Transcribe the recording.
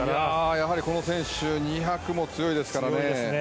やはり、この選手は２００も強いですからね。